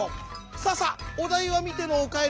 さあさおだいはみてのおかえりだよ。